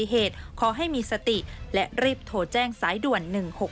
ขอให้มีสติและรีบโทรแจ้งสายด่วน๑๖๖